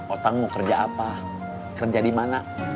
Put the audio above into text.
otang mau kerja apa kerja di mana